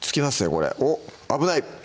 これおっ危ない！